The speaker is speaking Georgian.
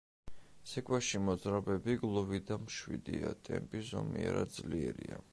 ცეკვაში მოძრაობები გლუვი და მშვიდია, ტემპი ზომიერად ძლიერია.